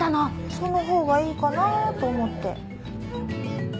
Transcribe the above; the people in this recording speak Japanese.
その方がいいかなと思って。